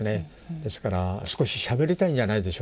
ですから少ししゃべりたいんじゃないでしょうか。